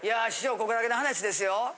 ここだけの話ですよ。